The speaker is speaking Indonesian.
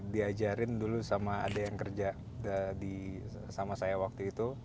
diajarin dulu sama ada yang kerja sama saya waktu itu